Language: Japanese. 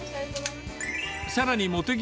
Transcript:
さらに茂木